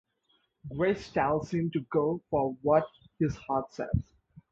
Grace tells him to go for what his heart says.